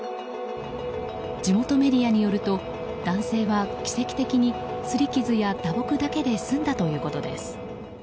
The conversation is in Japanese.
地元メディアによると男性は奇跡的にすり傷や打撲だけで済んだということです。